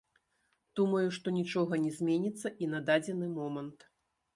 Думаю, што нічога не зменіцца і на дадзены момант.